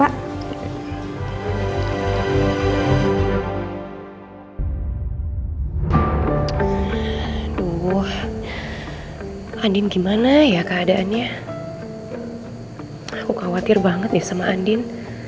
aduh andin gimana ya keadaannya aku khawatir banget nih sama andin